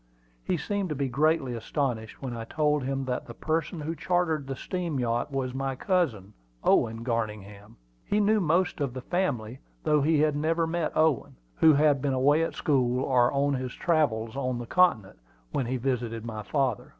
He seemed to be greatly astonished when I told him that the person who chartered the steam yacht was my cousin, Owen Garningham. He knew most of the family, though he had never met Owen, who had been away at school, or on his travels on the Continent, when he visited my father.